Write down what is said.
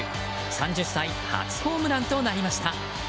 ３０歳初ホームランとなりました。